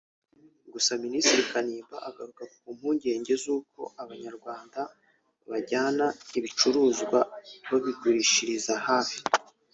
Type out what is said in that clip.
Gusa Minisitiri Kanimba agaruka ku mpungenge z’uko Abanyarwanda bajyana ibicuruzwa babigurishiriza hafi